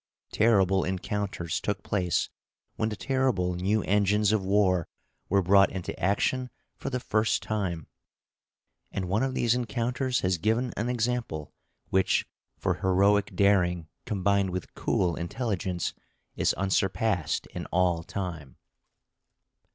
Terrible encounters took place when the terrible new engines of war were brought into action for the first time; and one of these encounters has given an example which, for heroic daring combined with cool intelligence, is unsurpassed in all time.